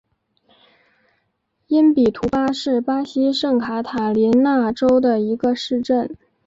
因比图巴是巴西圣卡塔琳娜州的一个市镇。